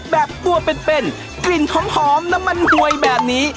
แบบตัวเป็นกลิ่นหอมน้ำมันหวยแบบนี้